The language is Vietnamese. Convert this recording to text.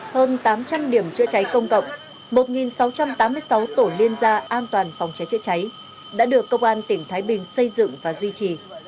hơn tám trăm linh điểm chữa cháy công cộng một sáu trăm tám mươi sáu tổ liên gia an toàn phòng cháy chữa cháy đã được công an tỉnh thái bình xây dựng và duy trì